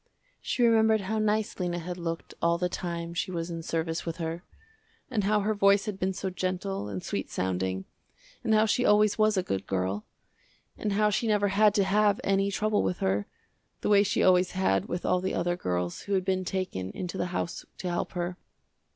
She remembered how nice Lena had looked all the time she was in service with her, and how her voice had been so gentle and sweet sounding, and how she always was a good girl, and how she never had to have any trouble with her, the way she always had with all the other girls who had been taken into the house to help her.